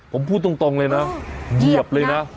ผมพูดตรงเลยนะเหยียบเลยนะ